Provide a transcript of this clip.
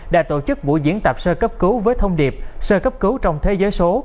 đã tổ chức buổi diễn tập sơ cấp cứu với thông điệp sơ cấp cứu trong thế giới số